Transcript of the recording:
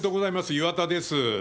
岩田です。